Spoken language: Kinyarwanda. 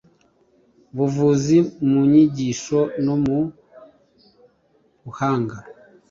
buvuzi mu nyigisho no mu buhanga